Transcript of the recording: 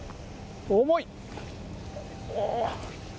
重い。